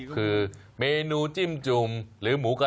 คือเมนูจิ้มจุ่มหรือหมูกระ